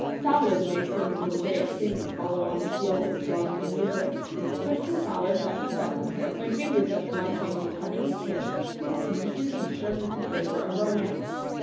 Salad may seem a prosaic thing to follow on the heels of Love and Music; but the salad that has been prepared by fingers that one thinks it heaven to kiss is tinged and tinctured with the flavour of romance.